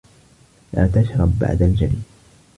لَا تَشْرَبْ بَعْدَ الْجَرْي.